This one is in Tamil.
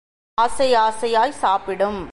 ஆசை ஆசையாச் சாப்பிடும்.